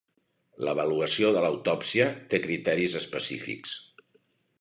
L'avaluació de l'autòpsia té criteris específics.